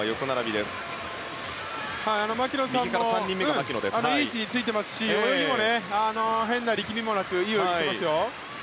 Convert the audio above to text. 牧野さんも、いい位置についていますし泳ぎも変な力みもなくいい泳ぎしていますよ。